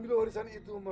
saya butuh jawaban cepatnya